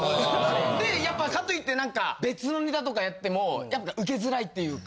でやっぱかといって別のネタとかやってもウケづらいっていうか。